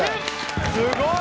すごい！